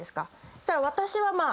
そしたら私はまあ。